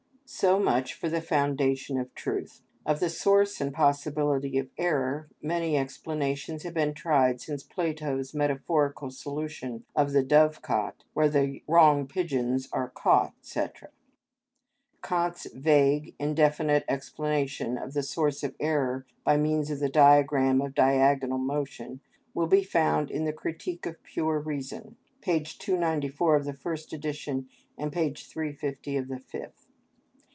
So much for the foundation of truth. Of the source and possibility of error many explanations have been tried since Plato's metaphorical solution of the dove cot where the wrong pigeons are caught, &c. (Theætetus, p. 167, et seq.) Kant's vague, indefinite explanation of the source of error by means of the diagram of diagonal motion, will be found in the "Critique of Pure Reason," p. 294 of the first edition, and p. 350 of the fifth.